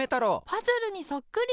パズルにそっくり！